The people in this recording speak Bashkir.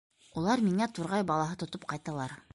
Улар миңә турғай балаһы тотоп ҡайталар.